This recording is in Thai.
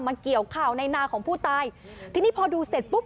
เกี่ยวข้าวในนาของผู้ตายทีนี้พอดูเสร็จปุ๊บ